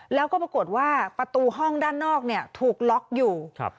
แล้วก็ปรากฏว่าประตูห้องด้านนอกเนี่ยถูกล็อกอยู่